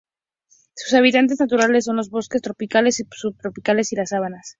Sus hábitats naturales son los bosques tropicales y subtropicales y las sabanas.